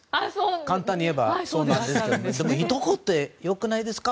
簡単にいえばそうなんですがでも、いとこって良くないですか？